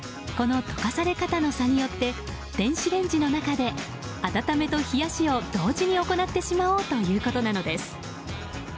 この溶かされ方の差によって電子レンジの中で温めと冷やしを同時に行ってしまおうということなのです。